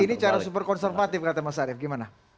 ini cara super konservatif kata mas arief gimana